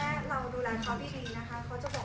เราต้องดูแลกันและกันดี